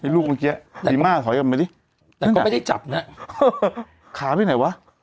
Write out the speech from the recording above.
น่ะไอ้ลูกเมื่อกี้ดีมากถอยกันมาดิแต่เขาไม่ได้จับน่ะขาไปไหนวะ